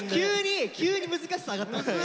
急に難しさ上がってますよね。